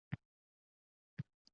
Oyi, otam to`satdan vafot etdi